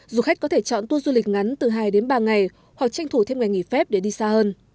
du khách có thể chọn tour du lịch ngắn từ hai đến ba ngày hoặc tranh thủ thêm ngày nghỉ phép để đi xa hơn